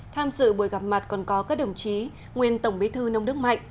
tham dự buổi gặp mặt còn có các đồng chí nguyên tổng bí thư nông đức mạnh